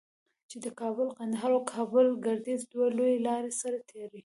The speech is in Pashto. چې د کابل قندهار او کابل گردیز دوه لویې لارې سره تړي.